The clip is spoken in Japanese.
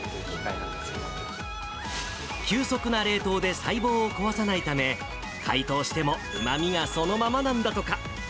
なん急速な冷凍で細胞を壊さないため、解凍してもうまみがそのままなんだとか。